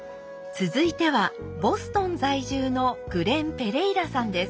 続いてはボストン在住のグレン・ペレイラさんです。